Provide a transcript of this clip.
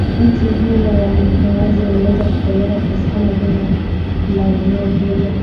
Mti huo wa mkunazi uliweza kupelekea kupatikana jina la eneo hilo